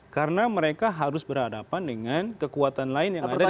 karena mereka harus berhadapan dengan kekuatan lain yang ada di dalam itu